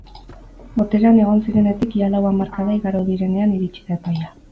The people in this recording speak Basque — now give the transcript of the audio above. Boterean egon zirenetik ia lau hamarkada igaro direnean iritsi da epaia.